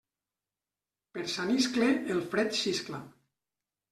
Per Sant Iscle el fred xiscla.